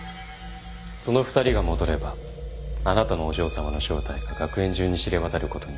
その２人が戻ればあなたのお嬢さまの正体が学園中に知れ渡ることになる